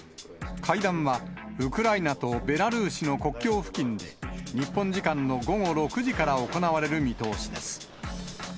会談はウクライナとベラルーシの国境付近で、日本時間の午後６時から行われる見通しです。